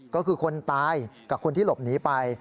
ก็คือคนตายกับคนที่หลบหนีไป